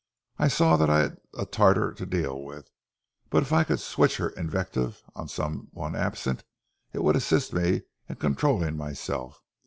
I saw that I had a tartar to deal with, but if I could switch her invective on some one absent, it would assist me in controlling myself.